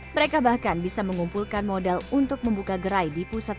mereka bahkan bisa mengumpulkan modal untuk membuka gerai di pusat